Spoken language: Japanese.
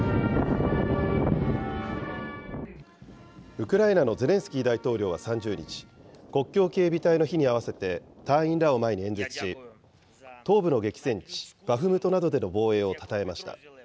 ウクライナのゼレンスキー大統領は３０日、国境警備隊の日に合わせて隊員らを前に演説し、東部の激戦地バフムトなどでの防衛をたたえました。